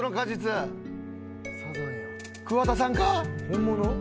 桑田さんか？